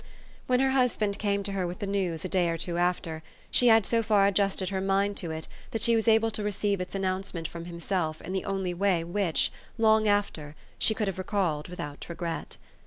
When her husband came to her with the news, a day or two after, she had so far adjusted her mind to it, that she was able to receive its announcement from himself in the only way which long after she could have recalled without regret.